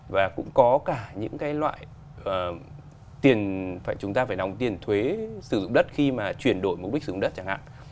và cũng có cả những cái loại tiền chúng ta phải đóng tiền thuế sử dụng đất khi mà chuyển đổi mục đích sử dụng đất chẳng hạn